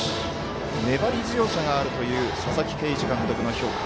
粘り強さがあるという佐々木啓司監督の評価。